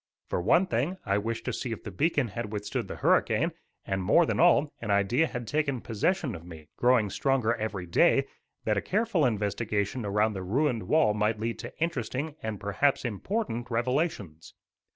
For one thing I wished to see if the beacon had withstood the hurricane; and, more than all, an idea had taken possession of me, growing stronger every day, that a careful investigation around the ruined wall might lead to interesting, and, perhaps, important revelations.